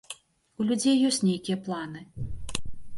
У людзей ёсць нейкія планы.